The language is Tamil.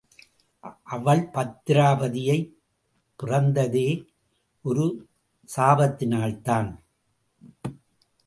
அவள் பத்திராபதியாகப் பிறந்ததே ஒரு சாபத்தினால்தான்.